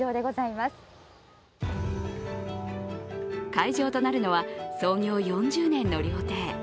会場となるのは創業４０年の料亭。